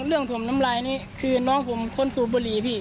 ถมน้ำลายนี้คือน้องผมคนสูบบุหรี่พี่